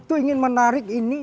itu ingin menarik ini